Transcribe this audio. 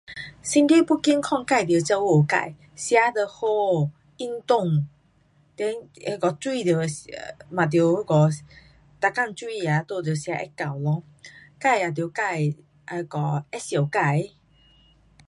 身体要健康自得照顾自。吃得好，运动，then 那个水得，um 嘛得那个，每天水啊都得吃有够咯，自也得自会疼自。